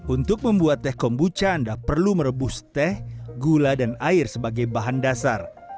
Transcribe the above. untuk membuat teh kombucha anda perlu merebus teh gula dan air sebagai bahan dasar